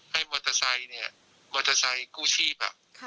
มอเตอร์ไซค์เนี่ยมอเตอร์ไซค์กู้ชีพ